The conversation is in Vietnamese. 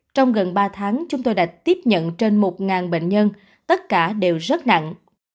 trong gần ba tháng chúng tôi đã tiếp nhận trên một bệnh nhân tất cả đều rất nặng